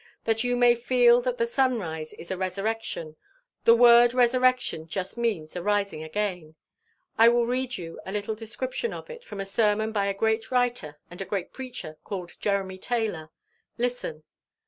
That you may feel that the sunrise is a resurrection the word resurrection just means a rising again I will read you a little description of it from a sermon by a great writer and great preacher called Jeremy Taylor. Listen.